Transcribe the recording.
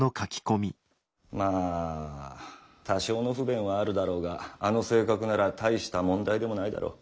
まあ多少の不便はあるだろうがあの性格なら大した問題でもないだろう。